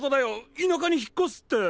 田舎に引っ越すって。